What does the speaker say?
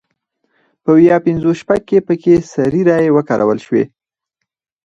په ویا پینځوس شپږ کې پکې سري رایې وکارول شوې.